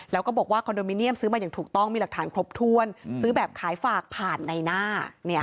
แล้วก็บอกว่าคอนโดมิเนียมซื้อมาอย่างถูกต้องมีหลักฐานครบถ้วนซื้อแบบขายฝากผ่านในหน้า